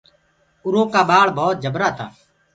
اُرو ڪآ ٻآݪ ڀوت جبرآ هينٚ۔